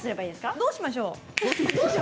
どうしましょう。